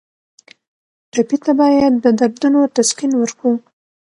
ټپي ته باید د دردونو تسکین ورکړو.